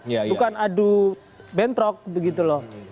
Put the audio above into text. bukan adu bentrok begitu loh